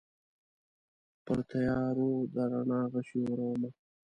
پرتیارو د رڼا غشي اورومه